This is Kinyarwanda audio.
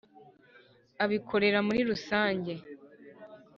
abikorera muri rusange.